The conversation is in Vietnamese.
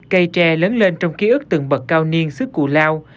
cây tre lớn lên trong ký ức từng bậc cao niên sức cù lao